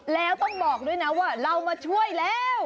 แล้วต้องบอกด้วยนะว่าเรามาช่วยแล้ว